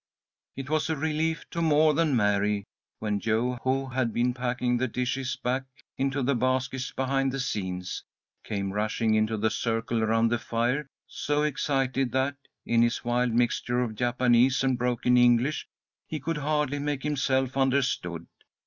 It was a relief to more than Mary when Jo, who had been packing the dishes back into the baskets behind the scenes, came rushing into the circle around the fire so excited that, in his wild mixture of Japanese and broken English, he could hardly make himself understood.